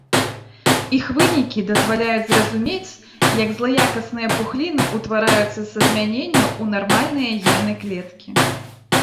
Іх вынікі дазваляюць зразумець, як злаякасныя пухліны ўтвараюцца са змяненняў у нармальныя гены клеткі.